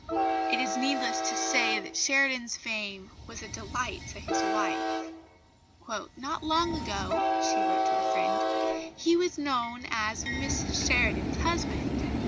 It is needless to say that Sheridan's fame was a delight to his wife. "Not long ago," she wrote to a friend, "he was known as 'Mrs Sheridan's husband.'